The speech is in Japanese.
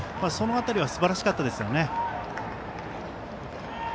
その辺りはすばらしかったですよね。